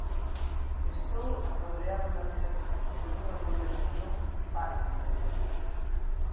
Estou arrodeado na terra por unha condenación pálida.